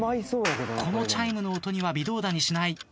このチャイムの音には微動だにしない。